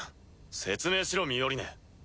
説明しろミオリネ。